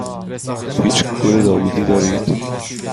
هیچ گل داوودی دارید؟